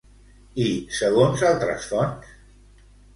I segons altres fonts?